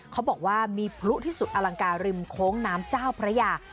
เขาบอกว่ามีพลุที่สุดอลังการริมโค้งน้ำเจ้าพระยา